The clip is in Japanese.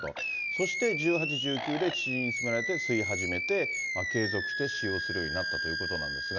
そして１８、１９で知人に勧められて吸い始めて、継続して使用するようになったということなんですが。